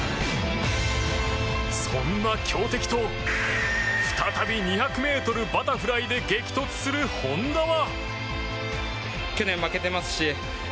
そんな強敵と再び２００ｍバタフライで激突する本多は。